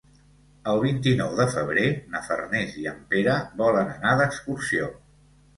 El vint-i-nou de febrer na Farners i en Pere volen anar d'excursió.